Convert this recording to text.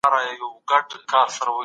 زه خپل سبق وایم.